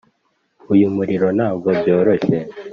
uyu murimo ntabwo byoroshye.